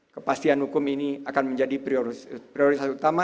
kepastian hukum ini akan menjadi prioritas utama